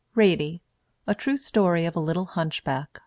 RATIE: A TRUE STORY OF A LITTLE HUNCHBACK.